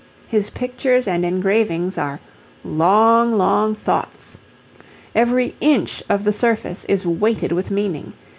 His pictures and engravings are 'long, long thoughts.' Every inch of the surface is weighted with meaning.